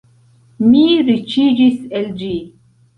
Mi riĉiĝis el ĝi.